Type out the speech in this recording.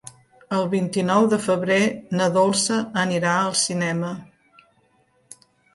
El vint-i-nou de febrer na Dolça anirà al cinema.